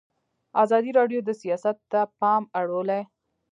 ازادي راډیو د سیاست ته پام اړولی.